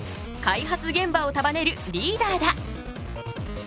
開発現場を束ねるリーダーだ。